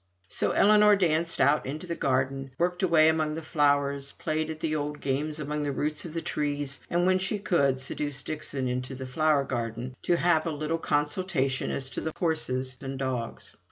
So Ellinor danced out into the garden, worked away among her flowers, played at the old games among the roots of the trees, and, when she could, seduced Dixon into the flower garden to have a little consultation as to the horses and dogs.